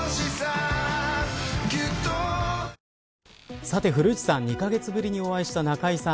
さて古市さん、２カ月ぶりにお会いした中居さん